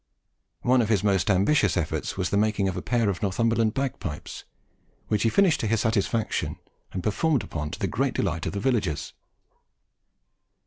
One of his most ambitious efforts was the making of a pair of Northumberland bagpipes, which he finished to his satisfaction, and performed upon to the great delight of the villagers.